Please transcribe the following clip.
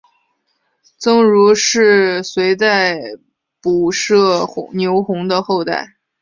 僧孺是隋代仆射牛弘的后代。